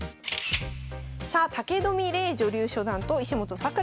さあ武富礼衣女流初段と石本さくら